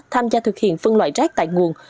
tham gia thực hiện phân loại rác tại nguồn